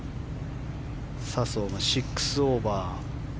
笹生が６オーバー。